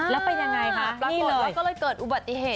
แล้วเป็นยังไงคะที่เหลือก็เลยเกิดอุบัติเหตุ